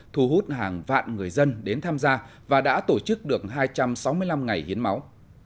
thu hút hàng vạn người dân đến tham gia và đã tổ chức được hai trăm sáu mươi năm ngày hiến máu